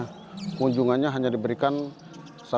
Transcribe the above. kehubungannya hanya di bisnis ketua matasa